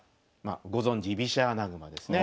ご存じ居飛車穴熊ですね。